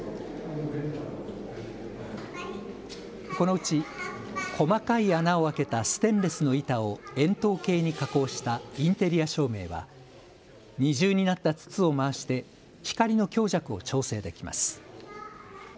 このうち細かい穴を開けたステンレスの板を円筒形に加工したインテリア照明は二重になった筒を回して光の強弱を調整できます。